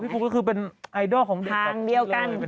ปุ๊กก็คือเป็นไอดอลของทางเดียวกัน